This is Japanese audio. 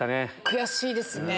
悔しいですね！